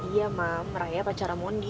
iya mam raya pacara mondi